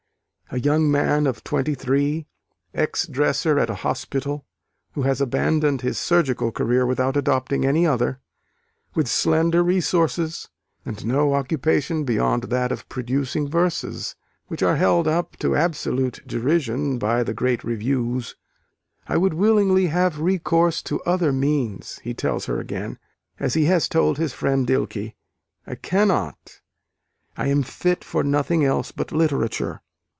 A young man of twenty three, ex dresser at a hospital, who has abandoned his surgical career without adopting any other: with slender resources, and no occupation beyond that of producing verses which are held up to absolute derision by the great reviews. "I would willingly have recourse to other means," he tells her again, as he has told his friend Dilke, "I cannot: I am fit for nothing else but literature."